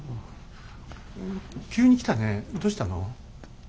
急に来たねどうしたの？